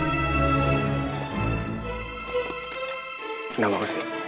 kenapa mas yik